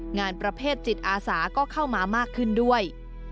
งานประเภทจิตอาสาก็เข้ามามากขึ้นด้วย